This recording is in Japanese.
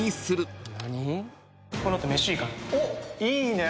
おっいいね。